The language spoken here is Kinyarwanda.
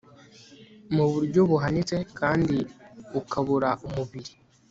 mu buryo buhanitse kandi bukabura umubiri